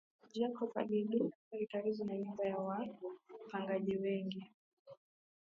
Jacob aliegesha gari karibu na nyumba ya wapngaji wengi